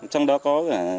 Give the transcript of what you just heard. trong đó có